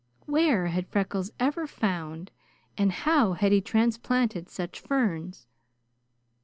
Where had Freckles ever found, and how had he transplanted such ferns?